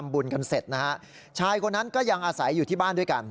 บุญกันเสร็จนะฮะชายคนนั้นก็ยังอาศัยอยู่ที่บ้านด้วยกัน